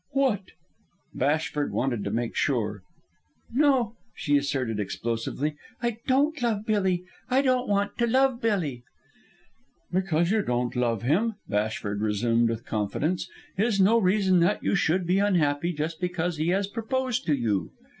"What?" Bashford wanted to make sure. "No," she asserted explosively. "I don't love Billy! I don't want to love Billy!" "Because you don't love him," Bashford resumed with confidence, "is no reason that you should be unhappy just because he has proposed to you."